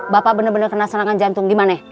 bapak bener bener kena serangan jantung gimana